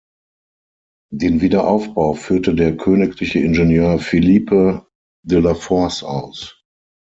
Den Wiederaufbau führte der königliche Ingenieur Philippe de la Force aus.